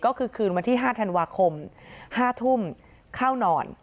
ก็คือคืนวันที่๕ธันวาคม๕ทุ่มเข้านอน